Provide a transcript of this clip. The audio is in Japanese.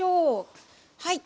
はい。